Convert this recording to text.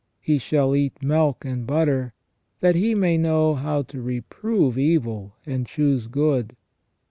He shall eat milk and butter, that He may know how to reprove evil and choose good."